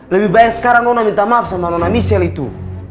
lebih baik sekarang kamu minta maaf sama nona nisal itu